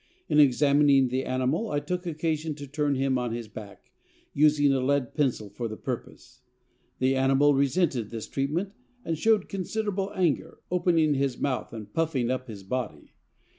In examining the animal I took occasion to turn him on his back, using a lead pencil for the purpose. The animal resented this treatment and showed considerable anger, opening his mouth and puffing up his body.